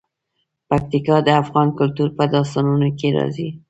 پکتیکا د افغان کلتور په داستانونو کې راځي.